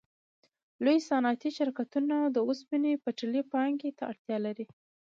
لوی صنعتي شرکتونه او د اوسپنې پټلۍ پانګې ته اړتیا لري